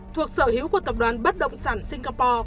thuộc sở hữu của tập đoàn bất động sản singapore